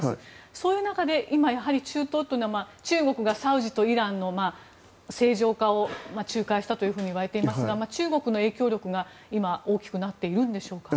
そういう中で、中東というのは中国がサウジとイランの正常化を仲介したといわれていますが中国の影響力が今大きくなっているんでしょうか。